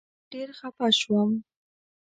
ډېر خپه شوم.